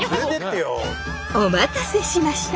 お待たせしました！